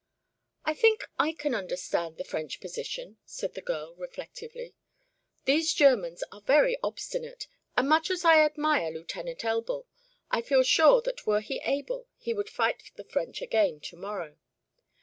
"I think I can understand the French position," said the girl, reflectively. "These Germans are very obstinate, and much as I admire Lieutenant Elbl I feel sure that were he able he would fight the French again to morrow.